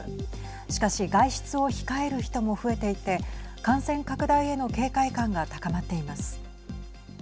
しかし外出を控える人も増えていて感染拡大への警戒感が高まっています。